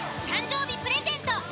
誕生日プレゼント